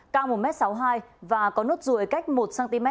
cao một m sáu mươi hai và có nốt ruồi cách một cm